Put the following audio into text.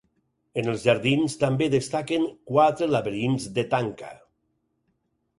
En els jardins també destaquen quatre laberints de tanca.